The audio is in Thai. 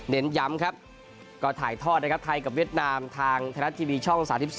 เน้นย้ำครับก็ถ่ายทอดนะครับไทยกับเวียดนามทางไทยรัฐทีวีช่อง๓๒